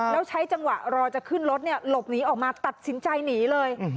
แล้วใช้จังหวะรอจะขึ้นรถหลบหนีออกมาตัดสินใจหนีเลย